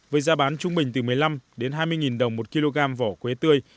với giá bán trung bình từ một mươi năm đến hai mươi đồng một kg vỏ quế tươi